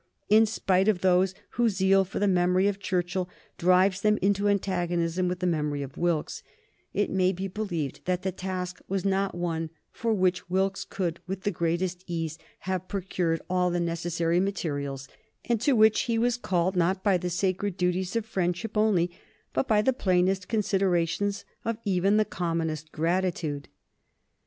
In spite of those whose zeal for the memory of Churchill drives them into antagonism with the memory of Wilkes, it may be believed that the task was not one "for which Wilkes could, with the greatest ease, have procured all the necessary materials; and to which he was called not by the sacred duties of friendship only, but by the plainest considerations of even the commonest gratitude."